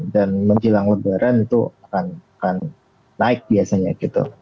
dan menjilang lebaran itu akan naik biasanya gitu